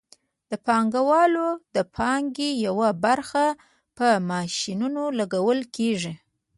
د پانګوال د پانګې یوه برخه په ماشینونو لګول کېږي